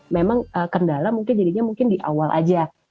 memang kendala mungkin jadinya di awal saja